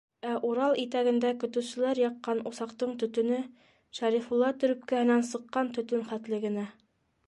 Ә Урал итәгендә көтөүселәр яҡҡан усаҡтың төтөнө Шәрифулла төрөпкәһенән сыҡҡан төтөн хәтле генә.